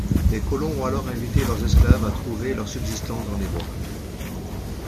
Les colons ont alors invité leurs esclaves à trouver leur subsistance dans les bois.